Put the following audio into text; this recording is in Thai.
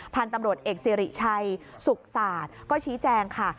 พันธุ์ตำรวจเอกสิริชัยสุขศาสตร์ก็ชี้แจงค่ะ